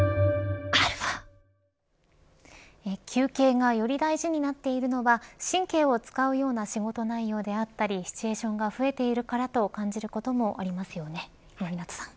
休憩がより大事になっているのは神経を使うような仕事内容であったりシチュエーションが増えているからと感じることもありますよね、今湊さん。